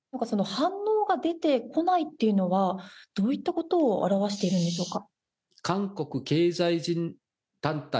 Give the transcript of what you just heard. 反応が出てこないというのはどういったことを表しているんでしょうか？